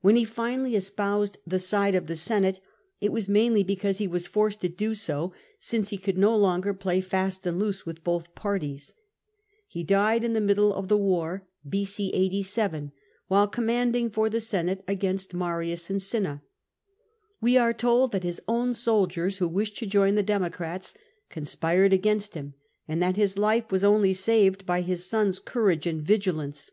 When he finally espoused the side of the Senate, it was mainly because he was forced to do so, since he could no longer play fast and loose with both parties. He died in the middle of the war [b.c. 87] while commanding for the Senate against Marius and Cinna. We are told that his own soldiers (who wished to join the Democrats) conspired against him, and that his life was only saved by his son's courage and vigilance.